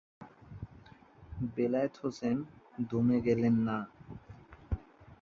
বেলায়েত হোসেন দমে গেলেন না।